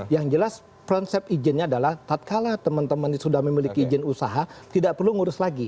yang jelas konsep izinnya adalah tak kalah teman teman sudah memiliki izin usaha tidak perlu ngurus lagi